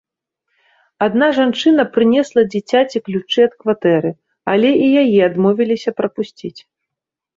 Адна жанчына прынесла дзіцяці ключы ад кватэры, але і яе адмовіліся прапусціць.